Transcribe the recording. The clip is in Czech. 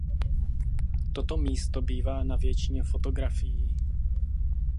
Toto místo bývá na většině fotografií.